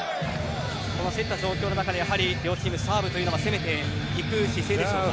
この競った状況の中で両チーム、サーブというのは攻めていく姿勢でしょうか。